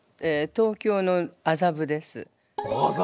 東京の麻布です。